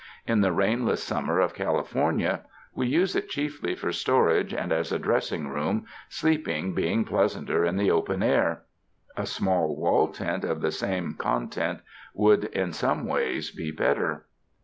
In the rainless summer of California, we use it chiefly for storage and as a dressing room, sleeping being pleasanter in the open air. A small wall tent of the same con tent would in some ways be better.